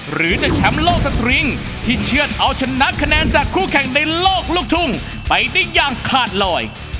หรือจะแชมป์โลกสตริงที่เชื่อดเอาชนะคะแนนจากคู่แข่งในโลกลูกทุ่งไปได้อย่างขาดลอย